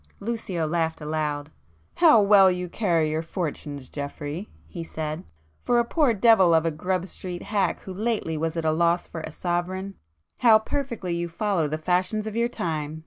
Lucio laughed aloud. "How well you carry your fortunes, Geoffrey!" he said—"For a poor devil of a Grub street hack who lately was at a loss for a sovereign, how perfectly you follow the fashions of your time!